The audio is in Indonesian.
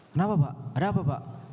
kenapa pak ada apa pak